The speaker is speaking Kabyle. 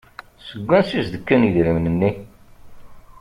Seg ansi i s-d-kan idrimen-nni?